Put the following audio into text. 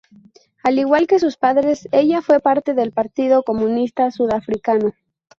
Al igual que sus padres ella fue parte del Partido Comunista Sudafricano.